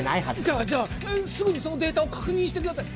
じゃあじゃあすぐにそのデータを確認してください